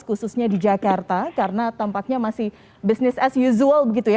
khususnya di jakarta karena tampaknya masih business as usual begitu ya